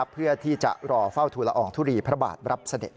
เพื่อที่จะรอเฝ้าทุลอองทุลีพระบาทรับเสด็จ